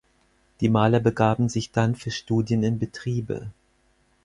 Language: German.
Die Maler begaben sich dann für Studien in Betriebe.